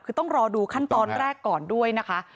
คือต้องรอดูขั้นตอนแรกก่อนด้วยนะคะ